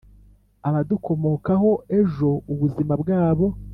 abadukomokaho ejo ubuzima bwabo